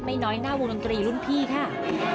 น้อยหน้าวงดนตรีรุ่นพี่ค่ะ